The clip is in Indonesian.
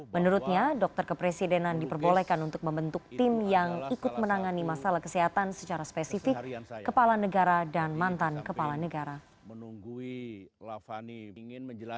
menurutnya dokter kepresidenan diperbolehkan untuk membentuk tim yang ikut menangani masalah kesehatan secara spesifik kepala negara dan mantan kepala negara